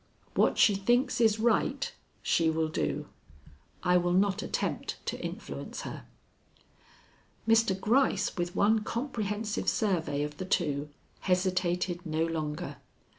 What she thinks is right, she will do. I will not attempt to influence her." Mr. Gryce, with one comprehensive survey of the two, hesitated no longer.